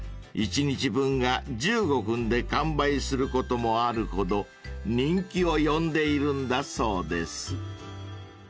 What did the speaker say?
［１日分が１５分で完売することもあるほど人気を呼んでいるんだそうです］